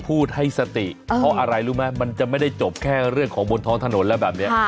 พูดให้สติเพราะอะไรรู้ไหมมันจะไม่ได้จบแค่เรื่องของบนท้องถนนแล้วแบบนี้